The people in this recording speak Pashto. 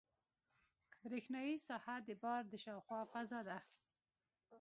برېښنایي ساحه د بار د شاوخوا فضا ده.